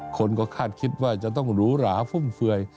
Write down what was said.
คนก็คาดคิดว่าจะต้องหรูหราฟุ่มเฟือย